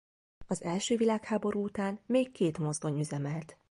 Az első világháború után még két mozdony üzemelt.